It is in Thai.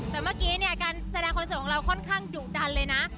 แต่เมื่อกี้เนี่ยการแสดงคอนเสิร์ตของเราค่อนข้างดุดันเลยนะ